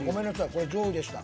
これ上位でした。